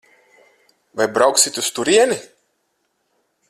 Vai brauksit uz turieni?